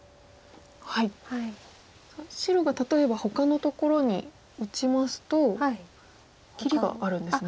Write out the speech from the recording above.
白が例えばほかのところに打ちますと切りがあるんですね。